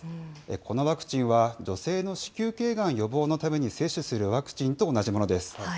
このワクチンは、女性の子宮けいがん予防のために接種するワクチンと同じものです。